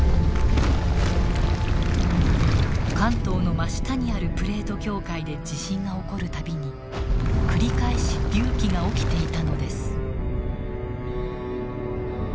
関東の真下にあるプレート境界で地震が起こる度に繰り返し隆起が起きていたのです。